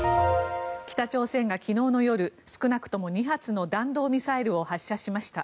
北朝鮮が昨日の夜少なくとも２発の弾道ミサイルを発射しました。